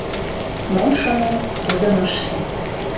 Мом шонет — тудым ыште!